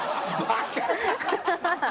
ハハハハ！